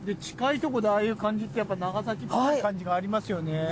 近いとこでああいう感じって長崎っぽい感じがありますよね。